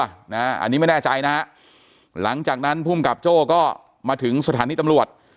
อันนี้ไม่แน่ใจนะฮะหลังจากนั้นภูมิกับโจ้ก็มาถึงสถานีตำรวจ